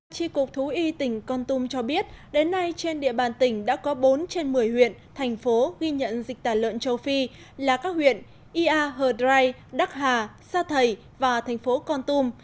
chi cục thú y tỉnh con tum cho biết đến nay trên địa bàn tỉnh đã có bốn trên một mươi huyện thành phố ghi nhận dịch tả lợn châu phi là các huyện ia hờ đrai đắc hà sa thầy và thành phố con tum